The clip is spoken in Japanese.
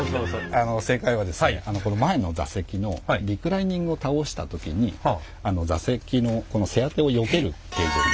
正解は前の座席のリクライニングを倒した時に座席の背当てをよける形状にしてありまして。